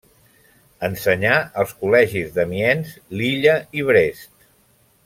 Ensenyà als col·legis d'Amiens, Lilla i Brest.